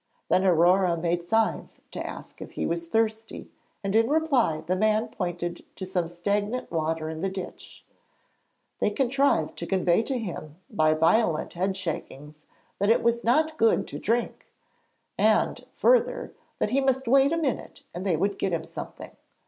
Then Aurore made signs to ask if he was thirsty, and in reply the man pointed to some stagnant water in the ditch. They contrived to convey to him by violent head shakings that it was not good to drink, and, further, that he must wait a minute and they would get him something.